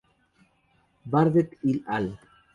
Bardet et al.